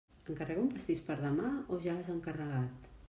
Encarrego un pastís per demà o ja l'has encarregat?